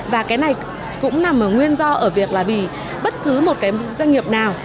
và cái này cũng nằm ở nguyên do ở việc là vì bất cứ một cái doanh nghiệp nào